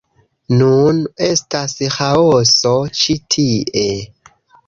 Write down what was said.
Nun estas ĥaoso ĉi tie